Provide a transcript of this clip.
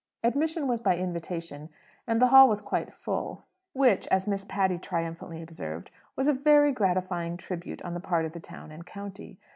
Admission was by invitation, and the hall was quite full, which, as Miss Patty triumphantly observed, was a very gratifying tribute on the part of the town and county.